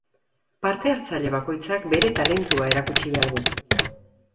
Parte-hartzaile bakoitzak bere talentua erakutsi behar du.